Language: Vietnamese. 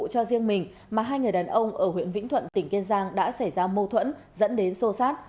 cho riêng mình mà hai người đàn ông ở huyện vĩnh thuận tỉnh kiên giang đã xảy ra mâu thuẫn dẫn đến sô sát